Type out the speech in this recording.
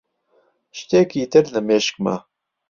شتێکی تر لە مێشکمە.